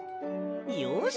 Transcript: よし！